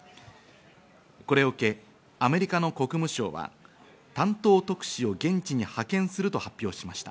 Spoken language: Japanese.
これを受け、アメリカの国務省は担当特使を現地に派遣すると発表しました。